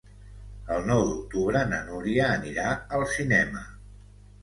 El nou d'octubre na Núria anirà al cinema.